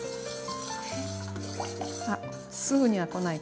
あすぐには来ないかな？